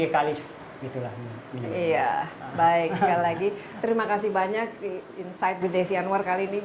iya baik sekali lagi terima kasih banyak insight with desi anwar kali ini